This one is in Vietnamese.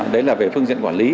đấy là về phương diện quản lý